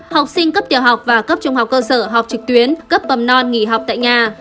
học sinh cấp tiểu học và cấp trung học cơ sở học trực tuyến cấp bầm non nghỉ học tại nhà